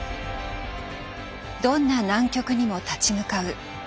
どんな難局にも立ち向かう。